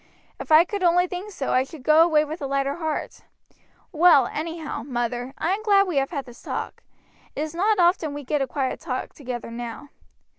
If I could only think so I should go away with a lighter heart. Well, anyhow, mother, I am glad we have had this talk. It is not often we get a quiet talk together now."